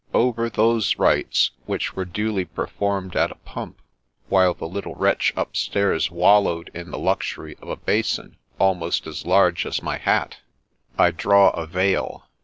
Over those rites (which were duly performed at a pump, while the little wretch upstairs wallowed in the luxury of a basin almost as large as my hat) The Scraping of Acquaintance 1 1 7 I draw a veil.